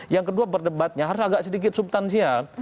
yang kedua berdebatnya harus agak sedikit subtansial